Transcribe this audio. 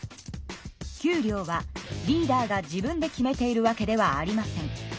給料はリーダーが自分で決めているわけではありません。